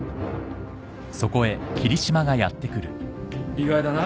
意外だな。